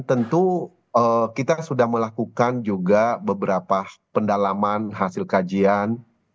tentu kita sudah melakukan juga beberapa pendalaman hasil kajian